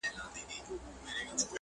o خپلي خبري خو نو نه پرې کوی ـ